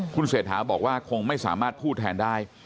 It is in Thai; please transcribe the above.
คุณเศรษฐาบอกว่าคงไม่สามารถพูดแทนได้